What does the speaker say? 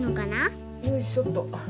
よいしょっと。